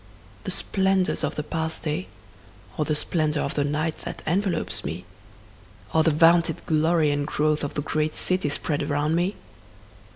The splendors of the past day? Or the splendor of the night that envelopes me? Or the vaunted glory and growth of the great city spread around me?